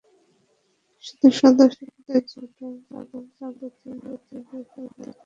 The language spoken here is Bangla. শুধু সদস্য পদের জন্য ভোটাররা গোপন বুথে গিয়ে ভোট দিতে পারছেন।